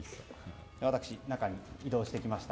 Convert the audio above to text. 私、中に移動してきました。